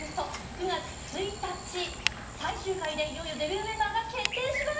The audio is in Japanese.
９月１日最終回でいよいよデビューメンバーが決定します。